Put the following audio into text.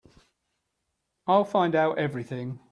I'll find out everything.